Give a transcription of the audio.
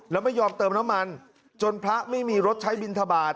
แล้วไม่ยอมเติมน้ำมันจนพระไม่มีรถใช้บินทบาท